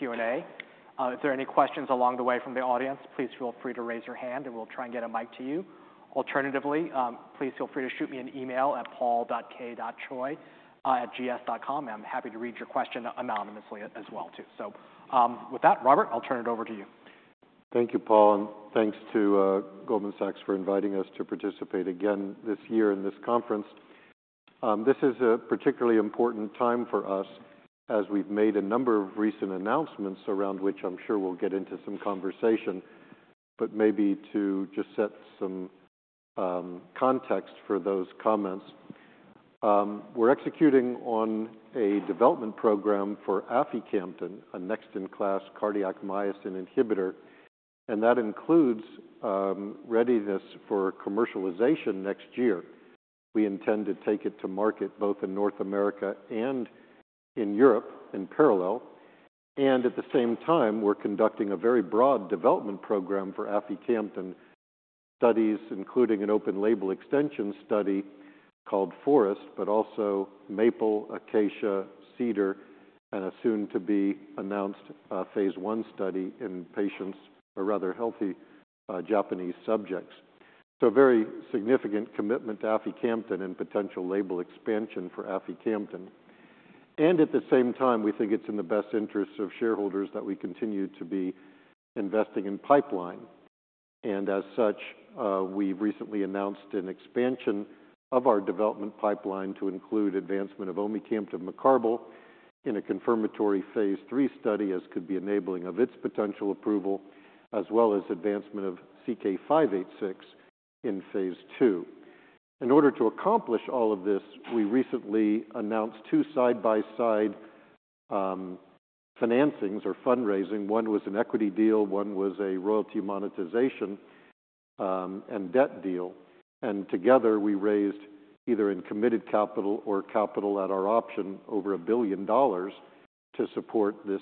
To Q&A. If there are any questions along the way from the audience, please feel free to raise your hand, and we'll try and get a mic to you. Alternatively, please feel free to shoot me an email at paul.k.choi@gs.com, and I'm happy to read your question anonymously as well, too. So, with that, Robert, I'll turn it over to you. Thank you, Paul, and thanks to Goldman Sachs for inviting us to participate again this year in this conference. This is a particularly important time for us as we've made a number of recent announcements around which I'm sure we'll get into some conversation, but maybe to just set some context for those comments. We're executing on a development program for aficamten, a next-in-class cardiac myosin inhibitor, and that includes readiness for commercialization next year. We intend to take it to market both in North America and in Europe in parallel, and at the same time, we're conducting a very broad development program for aficamten studies, including an open label extension study called FOREST, but also MAPLE, ACACIA, CEDAR, and a soon-to-be-announced phase I study in patients or rather healthy Japanese subjects. So a very significant commitment to aficamten and potential label expansion for aficamten. And at the same time, we think it's in the best interest of shareholders that we continue to be investing in pipeline. And as such, we recently announced an expansion of our development pipeline to include advancement of omecamtiv mecarbil in a confirmatory phase III study, as could be enabling of its potential approval, as well as advancement of CK-586 in phase II. In order to accomplish all of this, we recently announced two side-by-side, financings or fundraising. One was an equity deal, one was a royalty monetization, and debt deal, and together, we raised either in committed capital or capital at our option, over $1 billion to support this,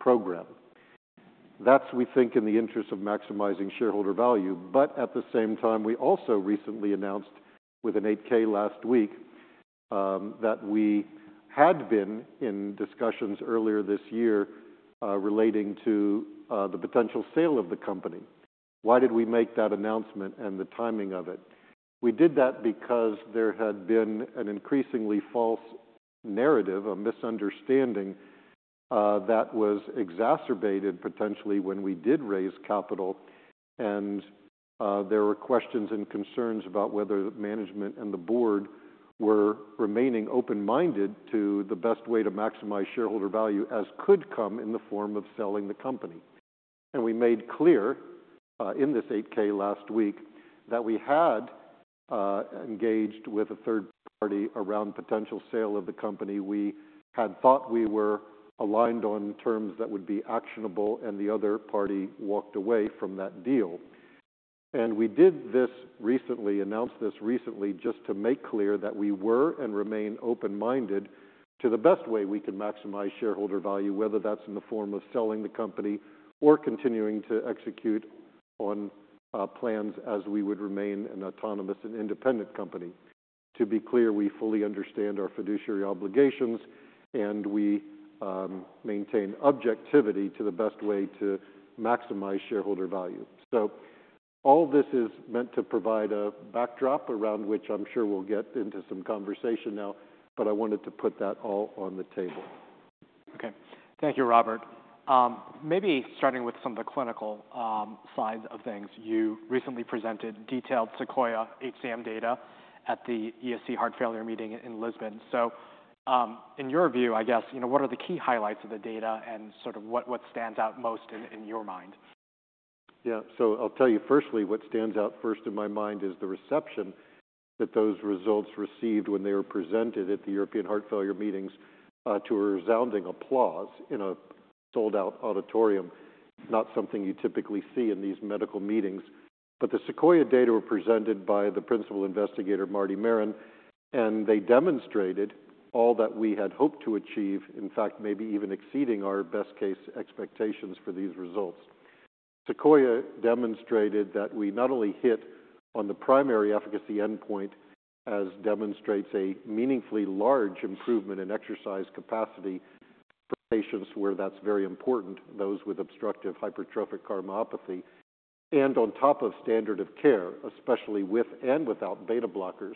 program. That's, we think, in the interest of maximizing shareholder value. But at the same time, we also recently announced with an 8-K last week, that we had been in discussions earlier this year, relating to, the potential sale of the company. Why did we make that announcement and the timing of it? We did that because there had been an increasingly false narrative, a misunderstanding, that was exacerbated potentially when we did raise capital, and, there were questions and concerns about whether the management and the board were remaining open-minded to the best way to maximize shareholder value, as could come in the form of selling the company. And we made clear, in this 8-K last week that we had, engaged with a third party around potential sale of the company. We had thought we were aligned on terms that would be actionable, and the other party walked away from that deal. We did this recently, announced this recently, just to make clear that we were and remain open-minded to the best way we can maximize shareholder value, whether that's in the form of selling the company or continuing to execute on plans as we would remain an autonomous and independent company. To be clear, we fully understand our fiduciary obligations, and we maintain objectivity to the best way to maximize shareholder value. All this is meant to provide a backdrop around which I'm sure we'll get into some conversation now, but I wanted to put that all on the table. Okay. Thank you, Robert. Maybe starting with some of the clinical sides of things, you recently presented detailed SEQUOIA-HCM data at the ESC Heart Failure meeting in Lisbon. So, in your view, I guess, you know, what are the key highlights of the data and sort of what stands out most in your mind? Yeah. So I'll tell you firstly, what stands out first in my mind is the reception that those results received when they were presented at the European Heart Failure meetings to a resounding applause in a sold-out auditorium. Not something you typically see in these medical meetings. But the Sequoia data were presented by the principal investigator, Martin Maron, and they demonstrated all that we had hoped to achieve. In fact, maybe even exceeding our best-case expectations for these results. Sequoia demonstrated that we not only hit on the primary efficacy endpoint, as demonstrates a meaningfully large improvement in exercise capacity for patients where that's very important, those with obstructive hypertrophic cardiomyopathy, and on top of standard of care, especially with and without beta blockers,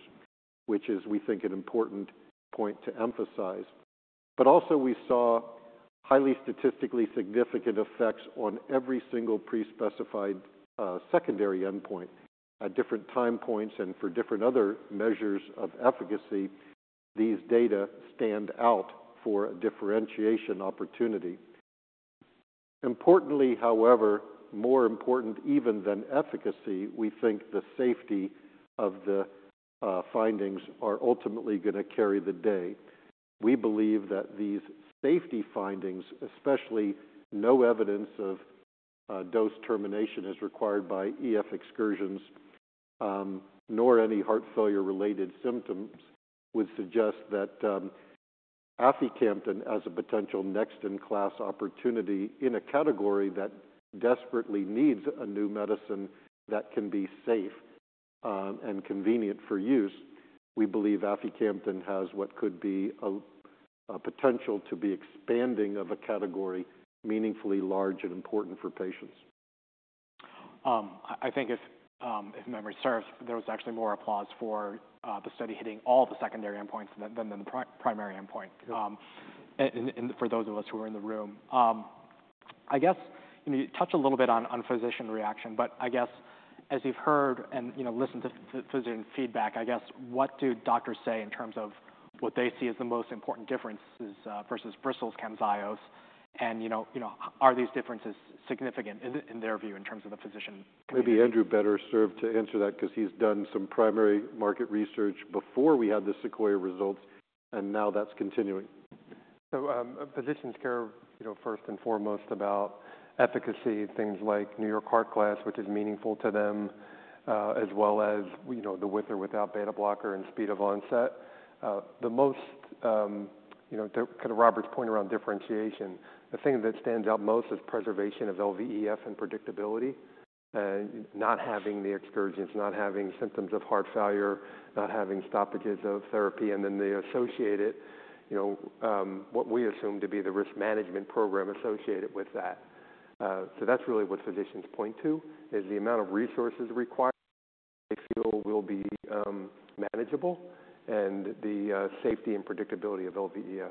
which is, we think, an important point to emphasize. But also we saw highly statistically significant effects on every single pre-specified secondary endpoint at different time points and for different other measures of efficacy. These data stand out for a differentiation opportunity. Importantly, however, more important even than efficacy, we think the safety of the findings are ultimately gonna carry the day. We believe that these safety findings, especially no evidence of dose termination, as required by EF excursions, nor any heart failure-related symptoms, would suggest that aficamten as a potential next-in-class opportunity in a category that desperately needs a new medicine that can be safe and convenient for use. We believe aficamten has what could be a potential to be expanding of a category meaningfully large and important for patients. I think if memory serves, there was actually more applause for the study hitting all the secondary endpoints than the primary endpoint. Yeah. And for those of us who were in the room. I guess, and you touched a little bit on physician reaction, but I guess as you've heard and, you know, listened to physician feedback, I guess, what do doctors say in terms of what they see as the most important differences versus Bristol's Camzyos? And, you know, are these differences significant in their view, in terms of the physician? Maybe Andrew better served to answer that 'cause he's done some primary market research before we had the Sequoia results, and now that's continuing. Physicians care, you know, first and foremost about efficacy, things like New York Heart Association class, which is meaningful to them, as well as, you know, the with or without beta blocker and speed of onset. The most, you know, to kind of Robert's point around differentiation, the thing that stands out most is preservation of LVEF and predictability, not having the excursions, not having symptoms of heart failure, not having stoppages of therapy, and then they associate it, you know, what we assume to be the risk management program associated with that. So that's really what physicians point to, is the amount of resources required, they feel will be, manageable, and the, safety and predictability of LVEF.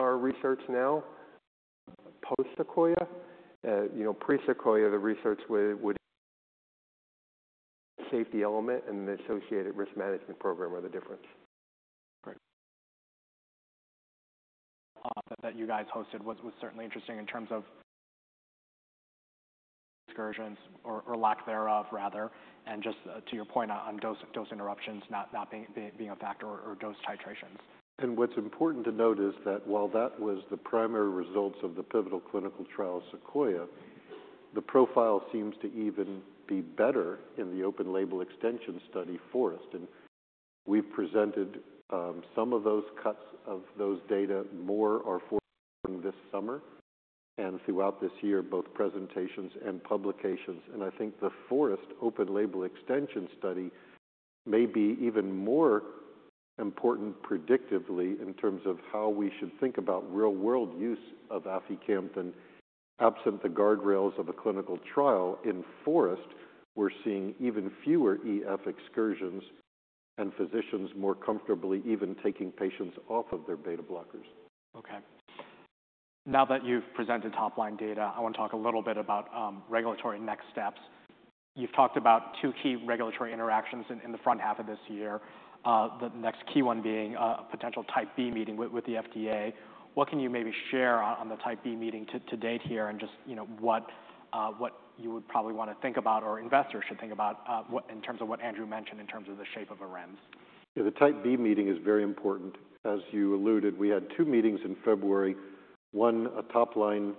Our research now, post Sequoia, you know, pre Sequoia, the research would, would... Safety element and the associated risk management program are the difference. Right. That you guys hosted was certainly interesting in terms of excursions or lack thereof, rather. And just to your point on dose interruptions not being a factor or dose titrations. What's important to note is that while that was the primary results of the pivotal clinical trial, SEQUOIA, the profile seems to even be better in the open label extension study FOREST. We've presented some of those cuts of those data. More are forthcoming this summer and throughout this year, both presentations and publications. I think the FOREST Open Label Extension Study may be even more important predictively in terms of how we should think about real-world use of aficamten, absent the guardrails of a clinical trial. In FOREST, we're seeing even fewer EF excursions and physicians more comfortably even taking patients off of their beta blockers. Okay. Now that you've presented top-line data, I want to talk a little bit about regulatory next steps. You've talked about two key regulatory interactions in the front half of this year, the next key one being a potential Type B meeting with the FDA. What can you maybe share on the Type B meeting to date here, and just, you know, what you would probably want to think about or investors should think about what in terms of what Andrew mentioned in terms of the shape of a REMS? Yeah, the Type B meeting is very important. As you alluded, we had two meetings in February. One, a top-line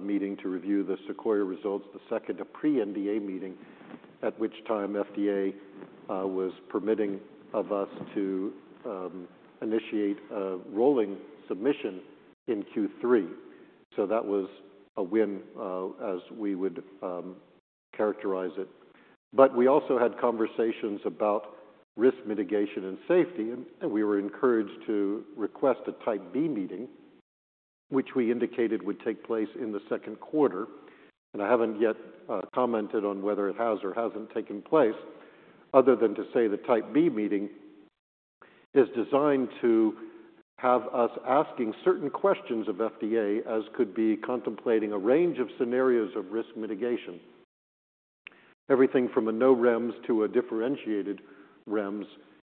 meeting to review the Sequoia results, the second, a pre-NDA meeting, at which time FDA was permitting of us to initiate a rolling submission in Q3. So that was a win, as we would characterize it. But we also had conversations about risk mitigation and safety, and we were encouraged to request a Type B meeting, which we indicated would take place in the second quarter. And I haven't yet commented on whether it has or hasn't taken place, other than to say the Type B meeting is designed to have us asking certain questions of FDA, as could be contemplating a range of scenarios of risk mitigation. Everything from a no REMS to a differentiated REMS,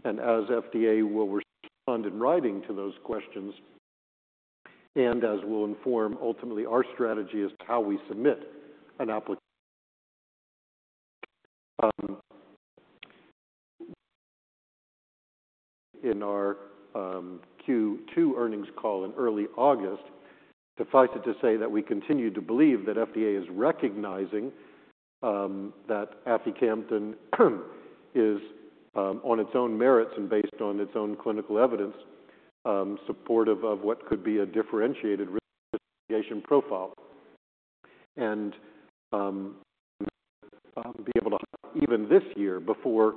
and as FDA will respond in writing to those questions, and as we'll inform ultimately our strategy as to how we submit an application in our Q2 earnings call in early August. Suffice it to say that we continue to believe that FDA is recognizing that aficamten is on its own merits and based on its own clinical evidence supportive of what could be a differentiated risk mitigation profile. And be able to, even this year, before...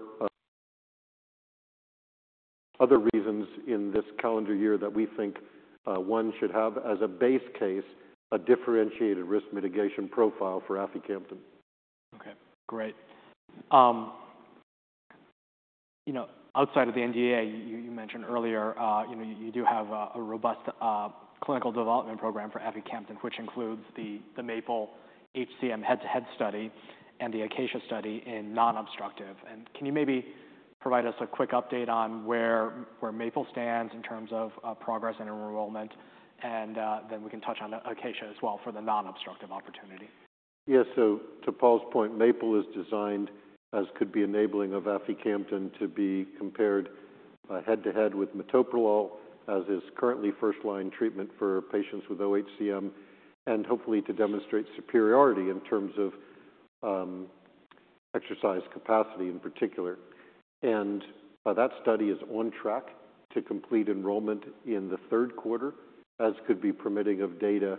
Other reasons in this calendar year that we think one should have as a base case, a differentiated risk mitigation profile for aficamten. Okay, great. You know, outside of the NDA, you mentioned earlier, you know, you do have a robust clinical development program for aficamten, which includes the MAPLE HCM head-to-head study and the ACACIA study in non-obstructive. And can you maybe provide us a quick update on where MAPLE stands in terms of progress and enrollment? And then we can touch on ACACIA as well for the non-obstructive opportunity. Yeah, so to Paul's point, MAPLE is designed as could be enabling of aficamten to be compared head-to-head with metoprolol, as is currently first-line treatment for patients with OHCM, and hopefully to demonstrate superiority in terms of exercise capacity in particular. That study is on track to complete enrollment in the third quarter, as could be permitting of data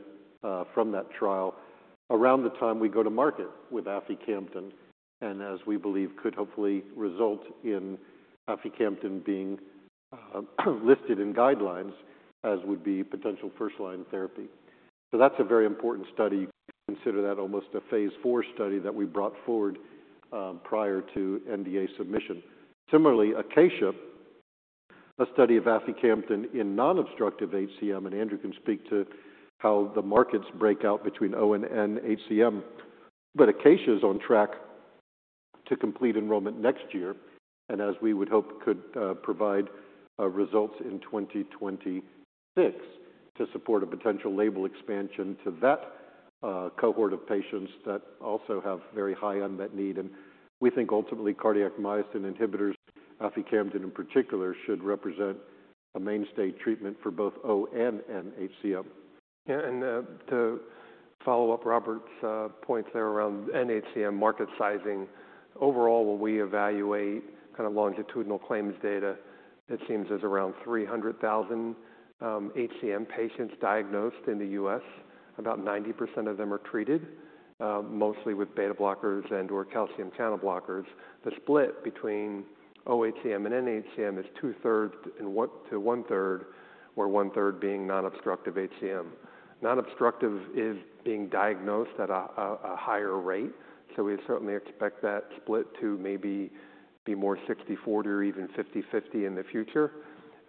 from that trial around the time we go to market with aficamten, and as we believe, could hopefully result in aficamten being listed in guidelines as would be potential first-line therapy. So that's a very important study. Consider that almost a phase four study that we brought forward prior to NDA submission. Similarly, ACACIA, a study of aficamten in non-obstructive HCM, and Andrew can speak to how the markets break out between oHCM and nHCM. But ACACIA is on track to complete enrollment next year, and as we would hope, could provide results in 2026 to support a potential label expansion to that cohort of patients that also have very high unmet need. And we think ultimately, cardiac myosin inhibitors, aficamten in particular, should represent a mainstay treatment for both oHCM and nHCM. Yeah, and to follow up Robert's points there around nHCM market sizing. Overall, when we evaluate kind of longitudinal claims data, it seems there's around 300,000 HCM patients diagnosed in the U.S. About 90% of them are treated, mostly with beta blockers and/or calcium channel blockers. The split between OHCM and NHCM is two-thirds to one-third, where 1/3 being non-obstructive HCM. Non-obstructive is being diagnosed at a higher rate, so we certainly expect that split to maybe be more 60/40 or even 50/50 in the future.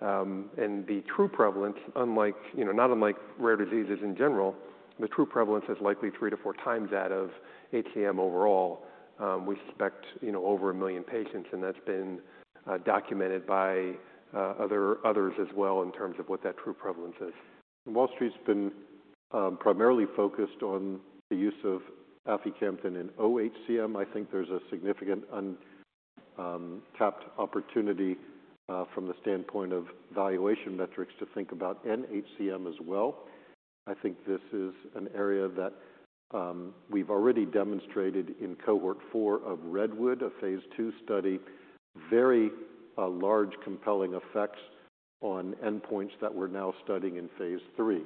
And the true prevalence, unlike, you know, not unlike rare diseases in general, the true prevalence is likely three to four times that of HCM overall. We expect, you know, over 1 million patients, and that's been documented by others as well in terms of what that true prevalence is. Wall Street's been primarily focused on the use of aficamten in OHCM. I think there's a significant untapped opportunity from the standpoint of valuation metrics to think about NHCM as well. I think this is an area that we've already demonstrated in cohort 4 of Redwood, a phase II study, very large compelling effects on endpoints that we're now studying in phase III.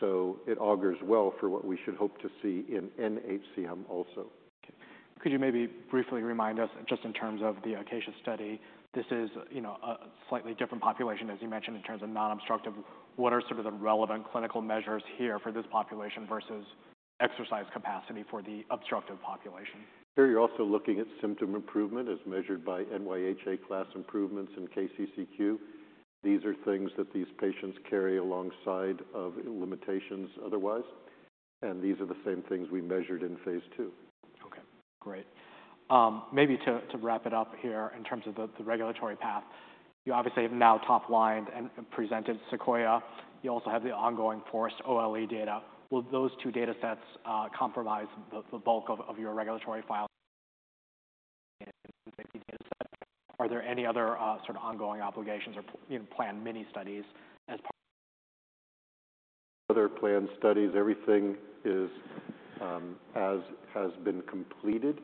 So it augurs well for what we should hope to see in NHCM also. Could you maybe briefly remind us, just in terms of the ACACIA study, this is, you know, a slightly different population, as you mentioned, in terms of non-obstructive. What are sort of the relevant clinical measures here for this population versus exercise capacity for the obstructive population? Here, you're also looking at symptom improvement as measured by NYHA class improvements in KCCQ. These are things that these patients carry alongside of limitations otherwise, and these are the same things we measured in phase II. Okay, great. Maybe to wrap it up here, in terms of the regulatory path, you obviously have now top lined and presented SEQUOIA. You also have the ongoing FOREST OLE data. Will those two datasets compromise the bulk of your regulatory file? Are there any other sort of ongoing obligations or you know, planned mini studies as part... Other planned studies, everything is as has been completed,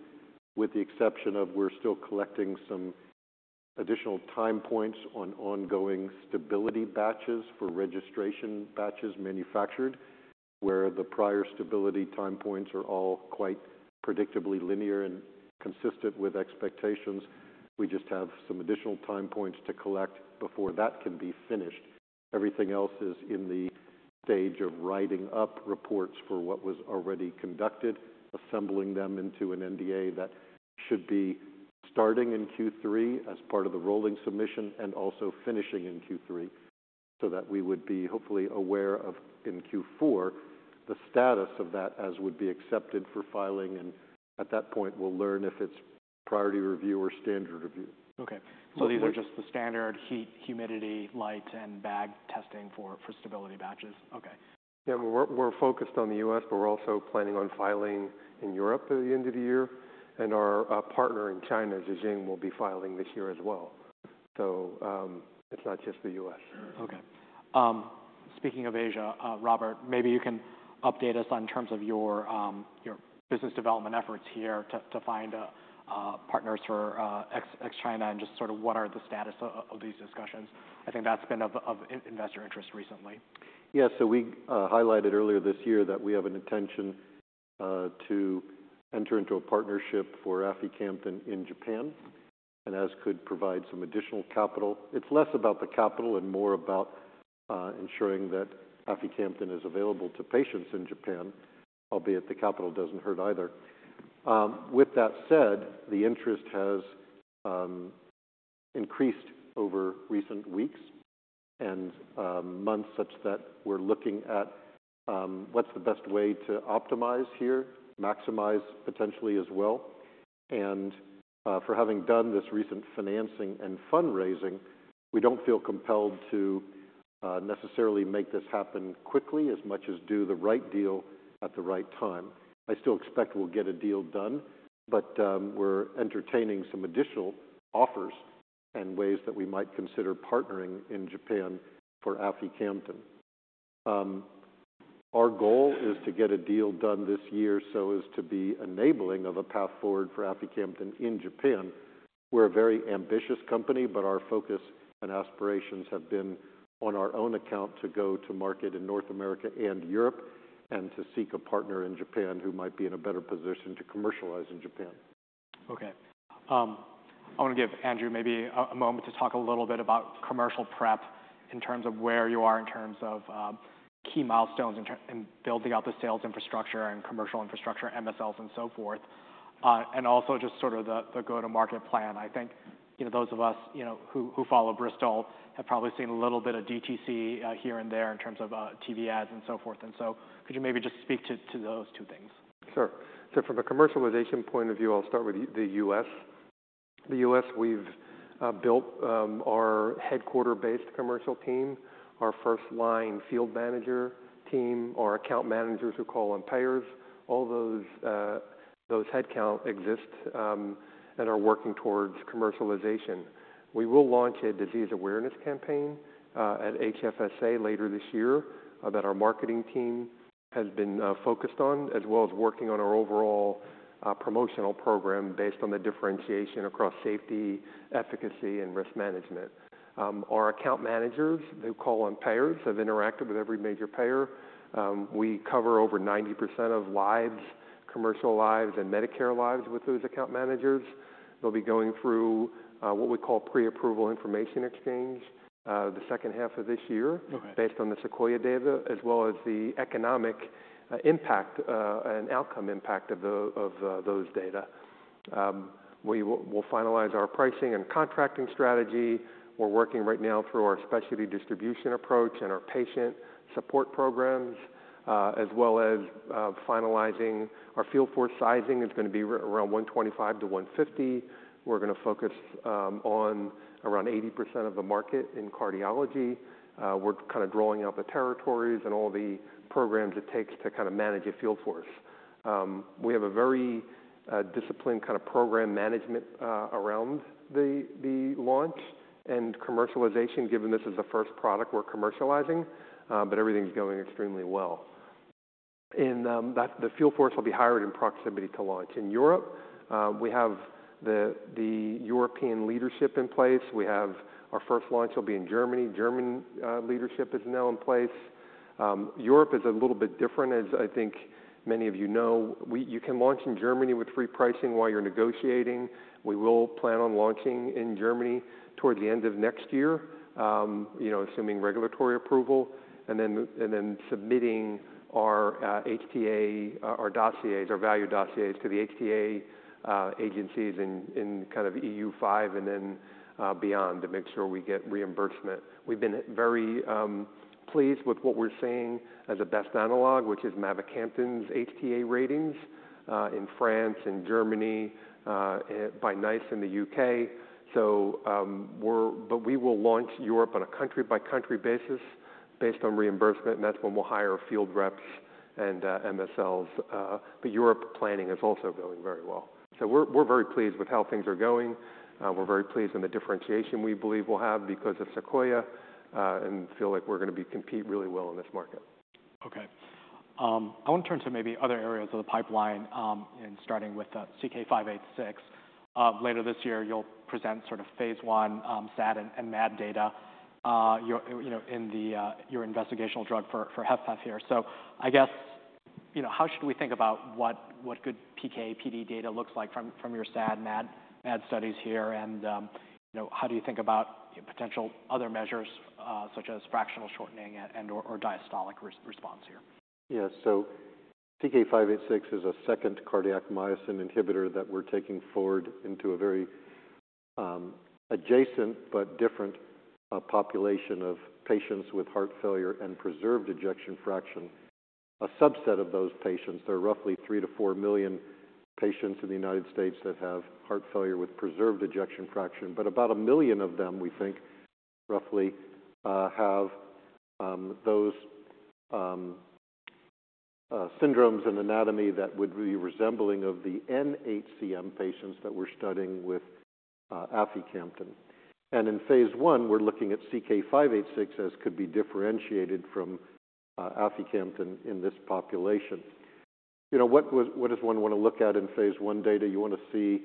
with the exception of we're still collecting some additional time points on ongoing stability batches for registration batches manufactured, where the prior stability time points are all quite predictably linear and consistent with expectations. We just have some additional time points to collect before that can be finished. Everything else is in the stage of writing up reports for what was already conducted, assembling them into an NDA. That should be starting in Q3 as part of the rolling submission, and also finishing in Q3, so that we would be hopefully aware of in Q4, the status of that as would be accepted for filing, and at that point, we'll learn if it's priority review or standard review. Okay. So we- These are just the standard heat, humidity, light, and bag testing for stability batches? Okay. Yeah, we're, we're focused on the U.S., but we're also planning on filing in Europe by the end of the year, and our partner in China, Ji Xing, will be filing this year as well. So, it's not just the U.S. Okay. Speaking of Asia, Robert, maybe you can update us on terms of your business development efforts here to find partners for ex-China and just sort of what are the status of these discussions. I think that's been of investor interest recently. Yeah, so we highlighted earlier this year that we have an intention to enter into a partnership for aficamten in Japan, and as could provide some additional capital. It's less about the capital and more about ensuring that aficamten is available to patients in Japan, albeit the capital doesn't hurt either. With that said, the interest has increased over recent weeks and months, such that we're looking at what's the best way to optimize here, maximize potentially as well. And for having done this recent financing and fundraising, we don't feel compelled to necessarily make this happen quickly, as much as do the right deal at the right time. I still expect we'll get a deal done, but we're entertaining some additional offers and ways that we might consider partnering in Japan for aficamten. Our goal is to get a deal done this year, so as to be enabling of a path forward for aficamten in Japan. We're a very ambitious company, but our focus and aspirations have been on our own account to go to market in North America and Europe, and to seek a partner in Japan who might be in a better position to commercialize in Japan. Okay. I want to give Andrew maybe a moment to talk a little bit about commercial prep in terms of where you are, in terms of key milestones, in building out the sales infrastructure and commercial infrastructure, MSLs, and so forth. And also just sort of the go-to-market plan. I think, you know, those of us, you know, who follow Bristol have probably seen a little bit of DTC here and there in terms of TV ads and so forth. And so could you maybe just speak to those two things? Sure. So from a commercialization point of view, I'll start with the US. The US, we've built our headquarter-based commercial team, our first-line field manager team, our account managers who call on payers. All those headcount exist and are working towards commercialization. We will launch a disease awareness campaign at HFSA later this year that our marketing team has been focused on, as well as working on our overall promotional program based on the differentiation across safety, efficacy, and risk management. Our account managers who call on payers have interacted with every major payer. We cover over 90% of lives, commercial lives and Medicare lives with those account managers. They'll be going through what we call pre-approval information exchange the second half of this year- Okay... based on the Sequoia data, as well as the economic impact and outcome impact of those data. We will finalize our pricing and contracting strategy. We're working right now through our specialty distribution approach and our patient support programs, as well as finalizing our field force sizing. It's gonna be around 125-150. We're gonna focus on around 80% of the market in cardiology. We're kind of drawing out the territories and all the programs it takes to kind of manage a field force. We have a very disciplined kind of program management around the launch and commercialization, given this is the first product we're commercializing, but everything's going extremely well. In that the field force will be hired in proximity to launch. In Europe, we have the European leadership in place. Our first launch will be in Germany. German leadership is now in place. Europe is a little bit different, as I think many of you know. You can launch in Germany with free pricing while you're negotiating. We will plan on launching in Germany toward the end of next year, you know, assuming regulatory approval, and then submitting our HTA, our dossiers, our value dossiers to the HTA agencies in kind of EU5 and then beyond, to make sure we get reimbursement. We've been very pleased with what we're seeing as a best analog, which is mavacamten's HTA ratings in France and Germany, and by NICE in the UK. But we will launch Europe on a country-by-country basis, based on reimbursement, and that's when we'll hire field reps and MSLs. But Europe planning is also going very well. So we're very pleased with how things are going. We're very pleased in the differentiation we believe we'll have because of Sequoia, and feel like we're gonna be compete really well in this market. Okay. I want to turn to maybe other areas of the pipeline, and starting with CK-586. Later this year, you'll present sort of phase I SAD and MAD data, you know, in your investigational drug for HFpEF here. So I guess, you know, how should we think about what good PK/PD data looks like from your SAD and MAD studies here? And, you know, how do you think about potential other measures, such as fractional shortening and/or diastolic response here? Yeah. So CK-586 is a second cardiac myosin inhibitor that we're taking forward into a very, adjacent but different, population of patients with heart failure and preserved ejection fraction. A subset of those patients, there are roughly 3-4 million patients in the United States that have heart failure with preserved ejection fraction, but about 1 million of them, we think, roughly, have those syndromes and anatomy that would be resembling of the NHCM patients that we're studying with aficamten. And in phase I, we're looking at CK-586 as could be differentiated from aficamten in this population. You know, what would, what does one want to look at in phase I data? You want to see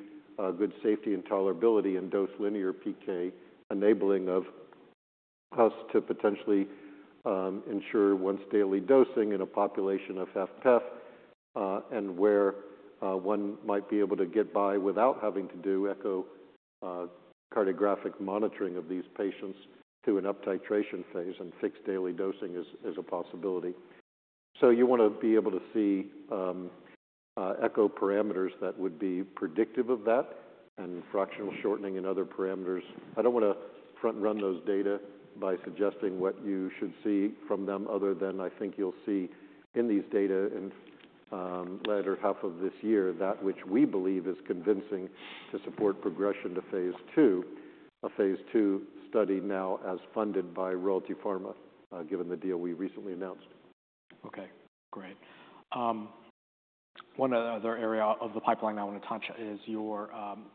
good safety and tolerability in dose linear PK, enabling of us to potentially ensure once daily dosing in a population of HFpEF, and where one might be able to get by without having to do echo cardiographic monitoring of these patients through an uptitration phase and fixed daily dosing is, is a possibility. So you want to be able to see echo parameters that would be predictive of that, and fractional shortening and other parameters. I don't wanna front run those data by suggesting what you should see from them, other than I think you'll see in these data in latter half of this year, that which we believe is convincing to support progression to Phase 2. A Phase 2 study now as funded by Royalty Pharma, given the deal we recently announced. Okay, great. One other area of the pipeline I want to touch is your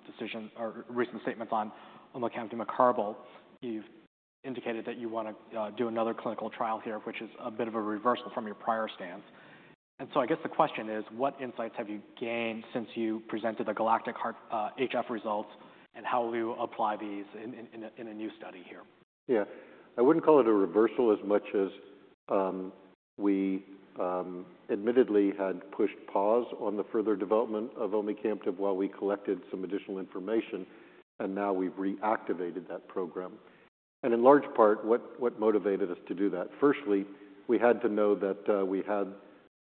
decision or recent statements on omecamtiv mecarbil. You've indicated that you wanna do another clinical trial here, which is a bit of a reversal from your prior stance. And so I guess the question is, what insights have you gained since you presented the GALACTIC-HF results, and how will you apply these in a new study here? Yeah. I wouldn't call it a reversal as much as we admittedly had pushed pause on the further development of omecamtiv while we collected some additional information, and now we've reactivated that program. And in large part, what motivated us to do that? Firstly, we had to know that we had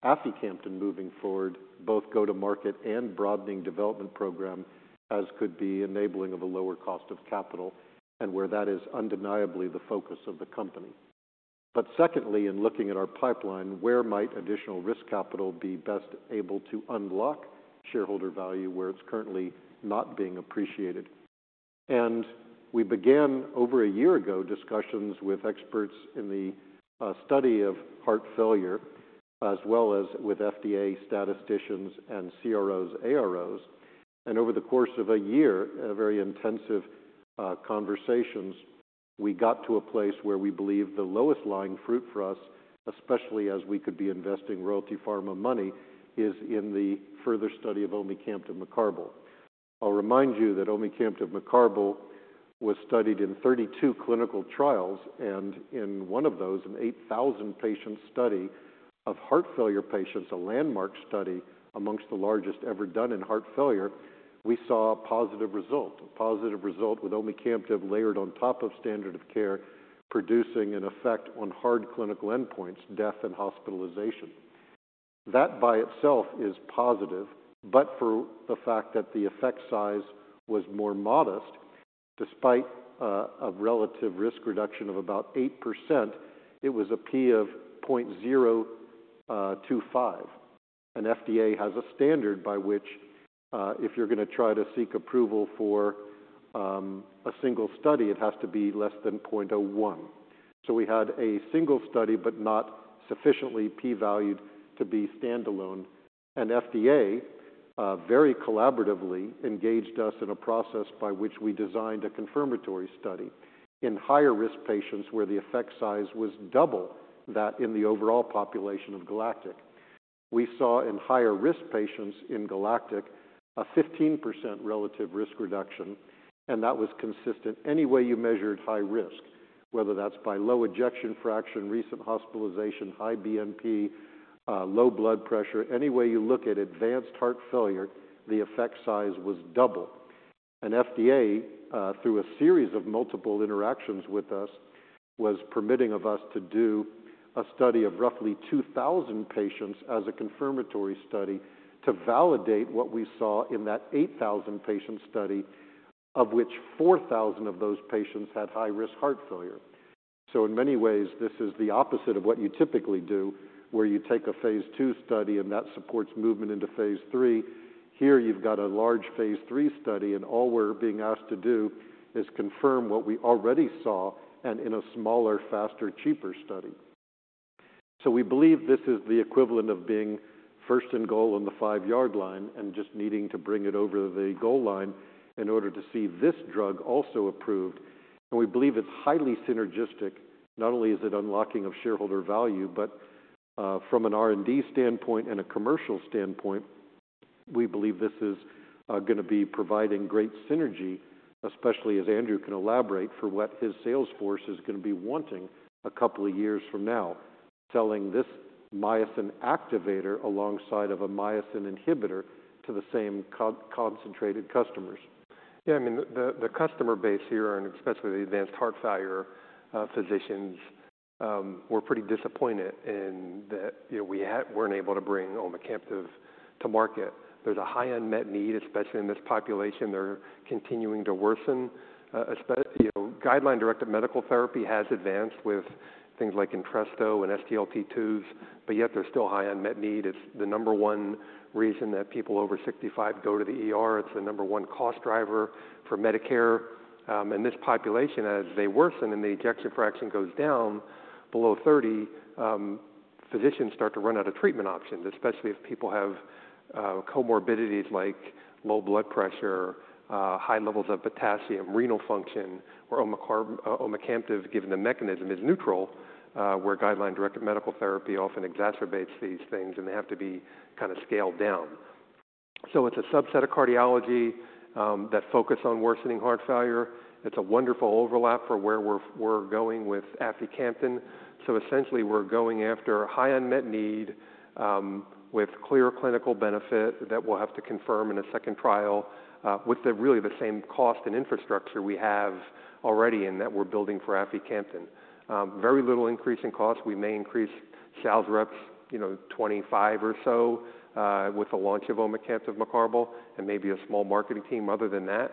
aficamten moving forward, both go-to-market and broadening development program, as could be enabling of a lower cost of capital, and where that is undeniably the focus of the company. But secondly, in looking at our pipeline, where might additional risk capital be best able to unlock shareholder value where it's currently not being appreciated? And we began, over a year ago, discussions with experts in the study of heart failure, as well as with FDA statisticians and CROs, AROs. Over the course of a year, in very intensive conversations, we got to a place where we believe the lowest-lying fruit for us, especially as we could be investing Royalty Pharma money, is in the further study of omecamtiv mecarbil. I'll remind you that omecamtiv mecarbil was studied in 32 clinical trials, and in one of those, an 8,000-patient study of heart failure patients, a landmark study among the largest ever done in heart failure, we saw a positive result. A positive result with omecamtiv mecarbil layered on top of standard of care, producing an effect on hard clinical endpoints, death and hospitalization. That, by itself, is positive, but for the fact that the effect size was more modest. Despite a relative risk reduction of about 8%, it was a P of 0.025. FDA has a standard by which, if you're gonna try to seek approval for a single study, it has to be less than 0.01. So we had a single study, but not sufficiently P-valued to be standalone. And FDA very collaboratively engaged us in a process by which we designed a confirmatory study in higher-risk patients, where the effect size was double that in the overall population of GALACTIC. We saw in higher-risk patients in GALACTIC a 15% relative risk reduction, and that was consistent any way you measured high risk, whether that's by low ejection fraction, recent hospitalization, high BNP, low blood pressure. Any way you look at advanced heart failure, the effect size was double. FDA, through a series of multiple interactions with us, was permitting of us to do a study of roughly 2,000 patients as a confirmatory study to validate what we saw in that 8,000 patient study, of which 4,000 of those patients had high-risk heart failure. So in many ways, this is the opposite of what you typically do, where you take a phase II study and that supports movement into phase III. Here, you've got a large phase III study, and all we're being asked to do is confirm what we already saw, and in a smaller, faster, cheaper study. So we believe this is the equivalent of being first in goal on the five-yard line and just needing to bring it over the goal line in order to see this drug also approved. And we believe it's highly synergistic. Not only is it unlocking of shareholder value, but, from an R&D standpoint and a commercial standpoint, we believe this is gonna be providing great synergy, especially as Andrew can elaborate, for what his sales force is gonna be wanting a couple of years from now, selling this myosin activator alongside of a myosin inhibitor to the same concentrated customers. Yeah, I mean, the customer base here, and especially the advanced heart failure physicians, were pretty disappointed in that, you know, we weren't able to bring omecamtiv to market. There's a high unmet need, especially in this population. They're continuing to worsen. You know, guideline-directed medical therapy has advanced with things like Entresto and SGLT2s, but yet there's still high unmet need. It's the number one reason that people over 65 go to the ER. It's the number one cost driver for Medicare. And this population, as they worsen and the ejection fraction goes down below 30, physicians start to run out of treatment options, especially if people have, comorbidities like low blood pressure, high levels of potassium, renal function, where omecamtiv, given the mechanism, is neutral, where guideline-directed medical therapy often exacerbates these things, and they have to be kind of scaled down. So it's a subset of cardiology, that focus on worsening heart failure. It's a wonderful overlap for where we're going with aficamten. So essentially, we're going after a high unmet need, with clear clinical benefit that we'll have to confirm in a second trial, with really the same cost and infrastructure we have already and that we're building for aficamten. Very little increase in cost. We may increase sales reps, you know, 25 or so, with the launch of omecamtiv mecarbil, and maybe a small marketing team. Other than that,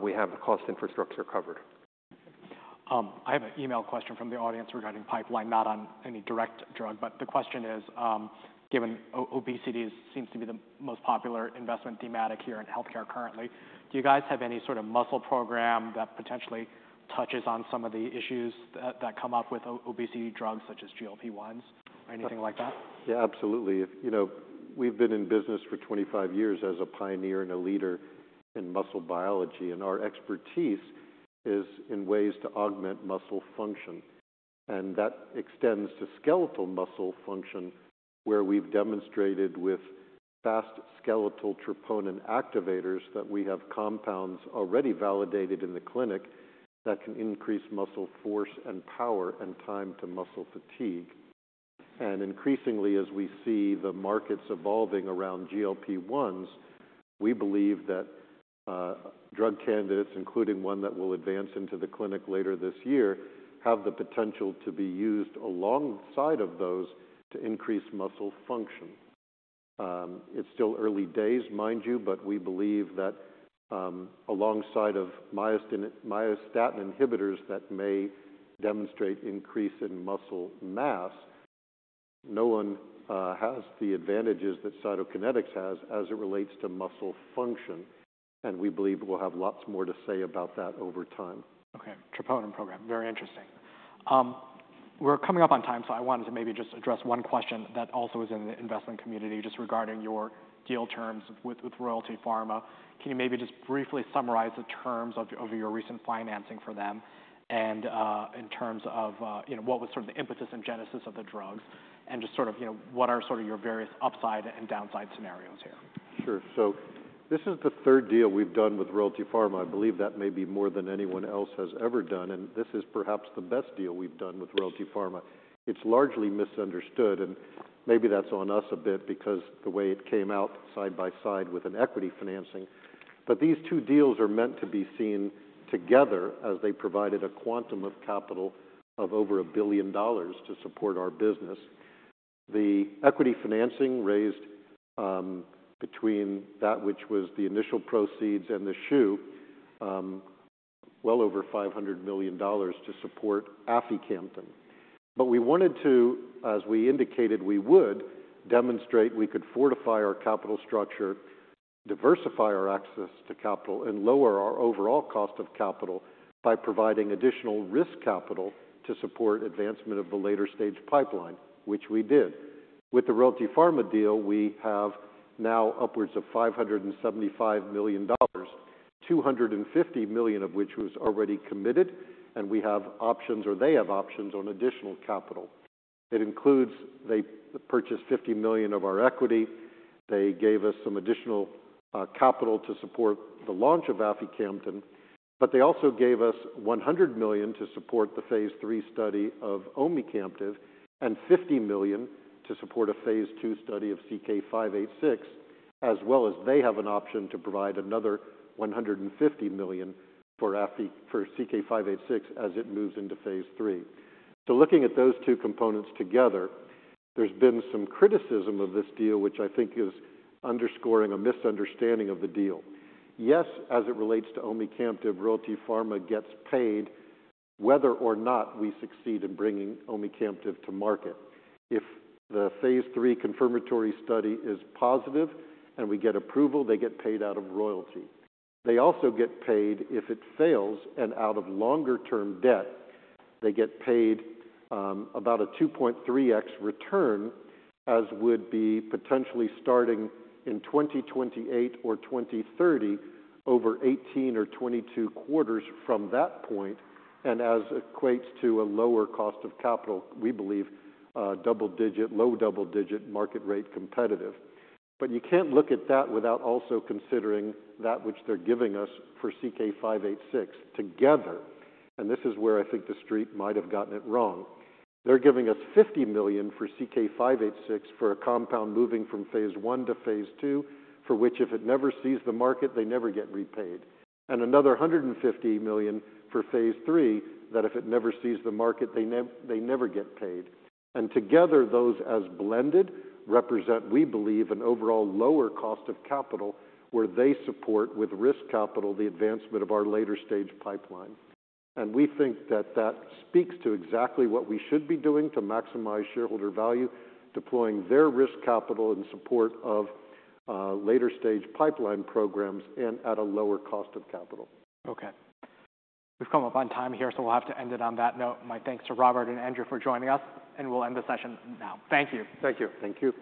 we have the cost infrastructure covered. I have an email question from the audience regarding pipeline, not on any direct drug, but the question is: Given obesity seems to be the most popular investment thematic here in healthcare currently, do you guys have any sort of muscle program that potentially touches on some of the issues that, that come up with obesity drugs, such as GLP-1s or anything like that? Yeah, absolutely. You know, we've been in business for 25 years as a pioneer and a leader in muscle biology, and our expertise is in ways to augment muscle function. And that extends to skeletal muscle function, where we've demonstrated with fast skeletal troponin activators that we have compounds already validated in the clinic that can increase muscle force and power and time to muscle fatigue. And increasingly, as we see the markets evolving around GLP-1s, we believe that drug candidates, including one that will advance into the clinic later this year, have the potential to be used alongside of those to increase muscle function. It's still early days, mind you, but we believe that, alongside of myostatin inhibitors that may demonstrate increase in muscle mass, no one has the advantages that Cytokinetics has as it relates to muscle function, and we believe we'll have lots more to say about that over time. Okay, troponin program. Very interesting. We're coming up on time, so I wanted to maybe just address one question that also is in the investment community, just regarding your deal terms with Royalty Pharma. Can you maybe just briefly summarize the terms of your recent financing for them and in terms of you know, what was sort of the impetus and genesis of the drugs? And just sort of you know, what are sort of your various upside and downside scenarios here? Sure. So this is the third deal we've done with Royalty Pharma. I believe that may be more than anyone else has ever done, and this is perhaps the best deal we've done with Royalty Pharma. It's largely misunderstood, and maybe that's on us a bit because the way it came out side by side with an equity financing. But these two deals are meant to be seen together as they provided a quantum of capital of over $1 billion to support our business. The equity financing raised, between that which was the initial proceeds and the shoe, well over $500 million to support aficamten. But we wanted to, as we indicated we would, demonstrate we could fortify our capital structure, diversify our access to capital, and lower our overall cost of capital by providing additional risk capital to support advancement of the later-stage pipeline, which we did. With the Royalty Pharma deal, we have now upwards of $575 million, $250 million of which was already committed, and we have options, or they have options, on additional capital. It includes... They purchased $50 million of our equity. They gave us some additional capital to support the launch of aficamten, but they also gave us $100 million to support the phase III study of omecamtiv, and $50 million to support a phase II study of CK-586, as well as they have an option to provide another $150 million for CK-586 as it moves into phase III. So looking at those two components together, there's been some criticism of this deal, which I think is underscoring a misunderstanding of the deal. Yes, as it relates to omecamtiv, Royalty Pharma gets paid whether or not we succeed in bringing omecamtiv to market. If the phase III confirmatory study is positive and we get approval, they get paid out of royalty. They also get paid if it fails, and out of longer-term debt, they get paid, about a 2.3x return, as would be potentially starting in 2028 or 2030, over 18 or 22 quarters from that point, and as equates to a lower cost of capital, we believe, double digit, low double-digit market rate competitive. But you can't look at that without also considering that which they're giving us for CK-586 together, and this is where I think The Street might have gotten it wrong. They're giving us $50 million for CK-586 for a compound moving from phase I to phase II, for which if it never sees the market, they never get repaid. And another $150 million for phase III, that if it never sees the market, they never get paid. Together, those as blended, represent, we believe, an overall lower cost of capital, where they support, with risk capital, the advancement of our later-stage pipeline. We think that that speaks to exactly what we should be doing to maximize shareholder value, deploying their risk capital in support of, later-stage pipeline programs and at a lower cost of capital. Okay. We've come up on time here, so we'll have to end it on that note. My thanks to Robert and Andrew for joining us, and we'll end the session now. Thank you. Thank you. Thank you.